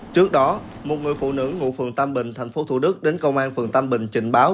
trước đó một người phụ nữ ngụ phường tam bình tp thủ đức đến công an phường tâm bình trình báo